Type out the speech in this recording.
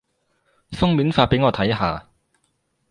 封面發畀我睇下